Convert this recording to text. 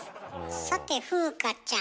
さて風花ちゃん。